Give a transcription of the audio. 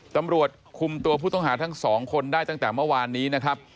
ตำรวจคุมตัวผู้ต้องหาทั้งสองคนได้ตั้งแต่เมื่อวานนี้นะครับ